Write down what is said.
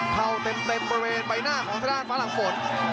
เข้าเต็มบริเวณใบหน้าของทางด้านฝรั่งฝน